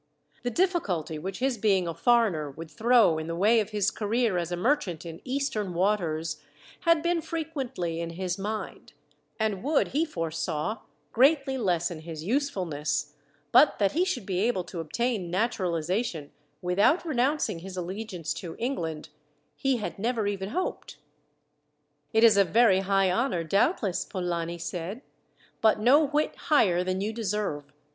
The difficulty which his being a foreigner would throw in the way of his career as a merchant in Eastern waters, had been frequently in his mind, and would, he foresaw, greatly lessen his usefulness, but that he should be able to obtain naturalization, without renouncing his allegiance to England, he had never even hoped. "It is a very high honour, doubtless," Polani said, "but no whit higher than you deserve.